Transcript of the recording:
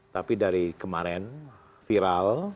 tapi dari kemarin viral